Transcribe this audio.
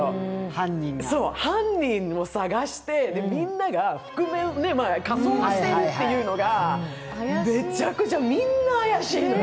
犯人を捜してみんなが仮装をしているっていうのがめちゃくちゃ、みーんな怪しいのよ